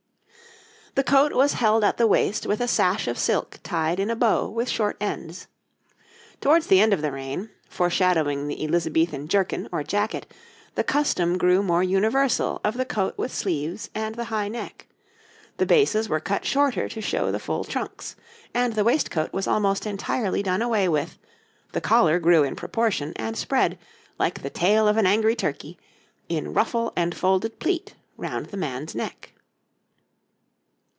The coat was held at the waist with a sash of silk tied in a bow with short ends. Towards the end of the reign, foreshadowing the Elizabethan jerkin or jacket, the custom grew more universal of the coat with sleeves and the high neck, the bases were cut shorter to show the full trunks, and the waistcoat was almost entirely done away with, the collar grew in proportion, and spread, like the tail of an angry turkey, in ruffle and folded pleat round the man's neck.